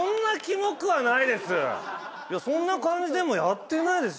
いやそんな感じでもやってないですし。